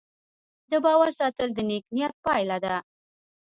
د باور ساتل د نیک نیت پایله ده.